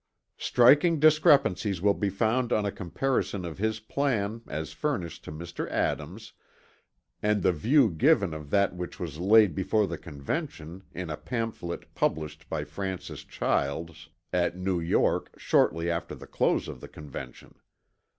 '" "*Striking discrepancies will be found on a comparison of his plan, as furnished to Mr. Adams, and the view given of that which was laid before the Convention, in a pamphlet published by Francis Childs at New York shortly after the close of the Convention.